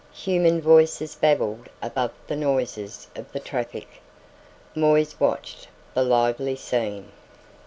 Human voices babbled above the noises of the traffic. Moisse watched the lively scene.